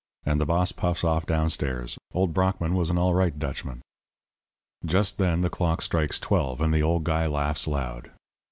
And the boss puffs off down stairs. Old Brockmann was an all right Dutchman. "Just then the clock strikes twelve, and the old guy laughs loud.